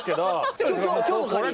ちょっと今日のカニ。